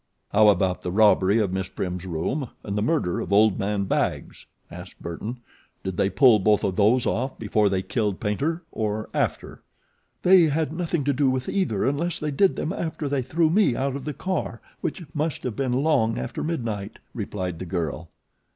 "How about the robbery of Miss Prim's room and the murder of Old Man Baggs?" asked Burton. "Did they pull both of those off before they killed Paynter or after?" "They had nothing to do with either unless they did them after they threw me out of the car, which must have been long after midnight," replied the girl.